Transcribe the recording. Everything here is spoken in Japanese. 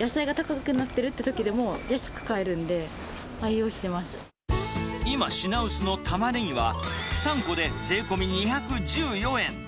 野菜が高くなってるってときでも安く買えるんで、今、品薄のタマネギは、３個で税込み２１４円。